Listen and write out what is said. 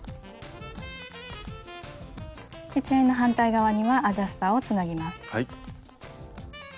チェーンの反対側にはアジャスターをつなぎます。